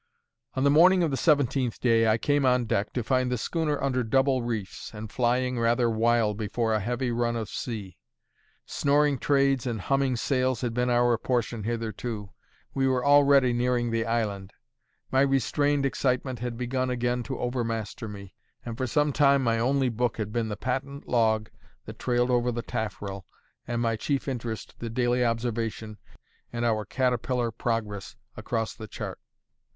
On the morning of the seventeenth day I came on deck, to find the schooner under double reefs, and flying rather wild before a heavy run of sea. Snoring trades and humming sails had been our portion hitherto. We were already nearing the island. My restrained excitement had begun again to overmaster me; and for some time my only book had been the patent log that trailed over the taffrail, and my chief interest the daily observation and our caterpillar progress across the chart.